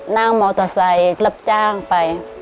นั่งมอเตอร์ไซค์รับจ้างไป